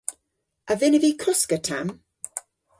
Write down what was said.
A vynnav vy koska tamm?